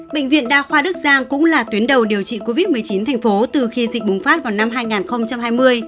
bệnh viện đa khoa đức giang cũng là tuyến đầu điều trị covid một mươi chín thành phố từ khi dịch bùng phát vào năm hai nghìn hai mươi